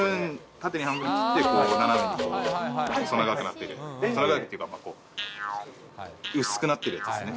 縦に半分に切って、斜めに、細長くなってるやつ、細長いっていうか、薄くなってるやつですね。